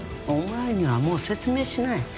お前にはもう説明しない。